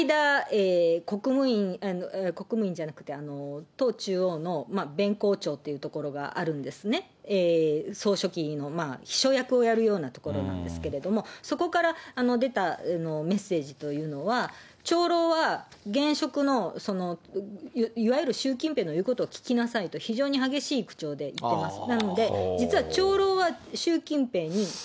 この間、党中央のべんこうちょうというところがあるんですね、総書記の秘書役をやるようなところなんですけれども、そこから出たメッセージというのは、長老は現職のいわゆる習近平の言うことを聞きなさいと、非常に激しい口調で言ってます。